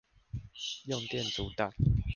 用電阻檔